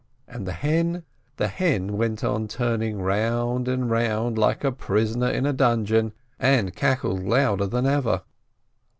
And the hen? The hen went on turning round and round like a prisoner in a dungeon, and cackled louder than ever.